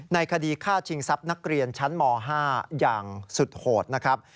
ในคดีฆ่าชิงทรัพย์นักเรียนชั้นม๕อย่างสุดโหดนะครับ